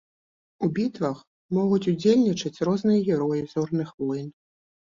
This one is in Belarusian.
У бітвах могуць удзельнічаць розныя героі зорных войн.